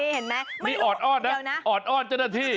เห็นไหมนี่ออดอ้อนนะออดอ้อนเจ้าหน้าที่